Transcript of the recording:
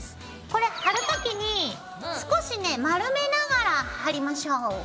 これ貼る時に少しね丸めながら貼りましょう。